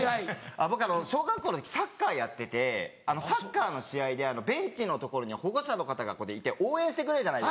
僕小学校の時サッカーやっててサッカーの試合でベンチの所に保護者の方がいて応援してくれるじゃないですか。